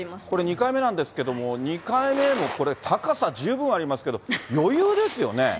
これ２回目なんですけど、２回目もこれ、高さ十分ありますけれども、余裕ですよね。